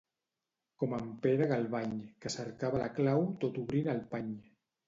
Com en Pere Galvany, que cercava la clau tot obrint el pany.